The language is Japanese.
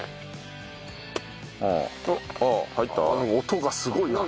音がすごいな。